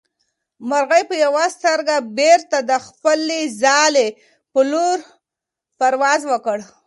مرغۍ په یوه سترګه بېرته د خپلې ځالې په لور پرواز وکړ.